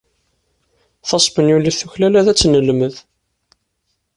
Taspenyulit tuklal ad tt-nelmed.